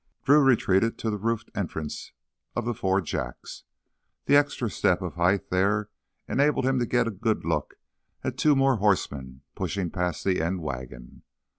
Drew retreated to the roofed entrance of the Four Jacks. The extra step of height there enabled him to get a good look at two more horsemen pushing past the end wagon.